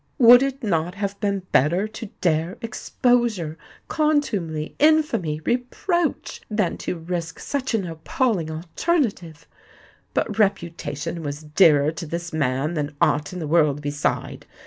Would it not have been better to dare exposure—contumely—infamy—reproach, than to risk such an appalling alternative? But reputation was dearer to this man than aught in the world beside!